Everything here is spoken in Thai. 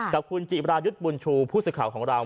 กับคุณจิรายุทธ์บุญชูผู้สื่อข่าวของเรา